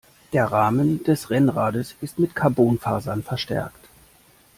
Der Rahmen des Rennrades ist mit Carbonfasern verstärkt.